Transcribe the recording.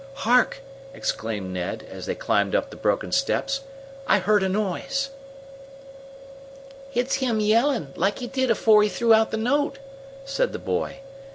"Hark!" exclaimed Ned, as they climbed up the broken steps. "I heard a noise." "It's him yellin' like he did afore he threw out the note," said the boy.